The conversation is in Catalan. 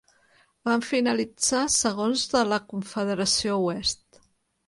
Van finalitzar segons de la Confederació Oest.